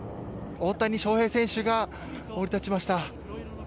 大谷翔平選手が降り立ちました。